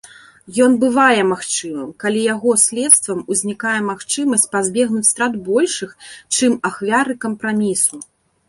Ён бывае магчымым, калі яго следствам узнікае магчымасць пазбегнуць страт большых, чым ахвяры кампрамісу.